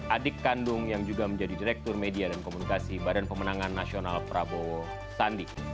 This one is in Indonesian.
adik kandung yang juga menjadi direktur media dan komunikasi badan pemenangan nasional prabowo sandi